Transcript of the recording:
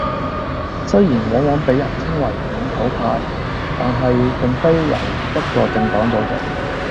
雖然往往畀人稱為「本土派」，但係並非由一個政黨組成